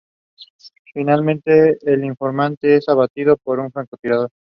Finalmente, el informante es abatido por un francotirador.